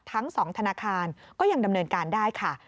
ทั้ง๒ธนาคารก็ยังดำเนินการได้ค่ะ